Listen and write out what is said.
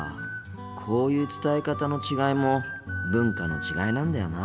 こういう伝え方の違いも文化の違いなんだよな。